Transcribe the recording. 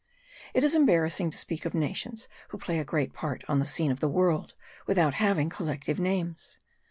It is embarrassing to speak of nations who play a great part on the scene of the world without having collective names.